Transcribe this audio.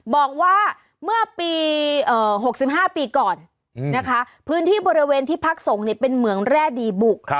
บอกว่าเมื่อปี๖๕ปีก่อนนะคะพื้นที่บริเวณที่พักส่งเป็นเหมืองแร่ดีบุก